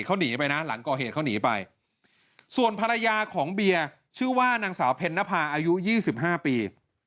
เขาหนีไปนะหลังก่อเหตุเขาหนีไปส่วนภรรยาของเบียร์ชื่อว่านางสาวเพ็ญนภาอายุ๒๕ปี